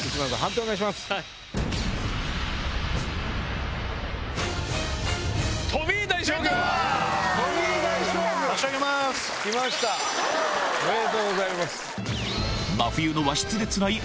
おめでとうございます。